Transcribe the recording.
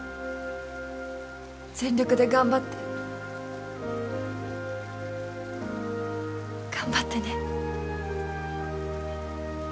全力で頑張って頑張ってね